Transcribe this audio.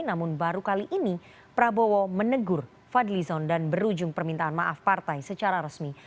namun baru kali ini prabowo menegur fadli zon dan berujung permintaan maaf partai secara resmi